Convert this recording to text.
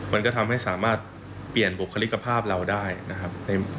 มันก็ทำให้สามารถเปลี่ยนบุคลิกภาพเราได้นะครับ